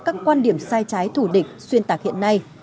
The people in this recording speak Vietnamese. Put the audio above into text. các quan điểm sai trái thủ địch xuyên tạc hiện nay